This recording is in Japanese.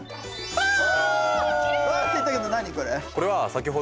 ああ。